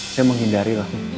saya menghindari lah